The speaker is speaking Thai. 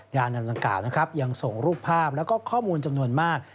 อันดังกล่าวนะครับยังส่งรูปภาพแล้วก็ข้อมูลจำนวนมาก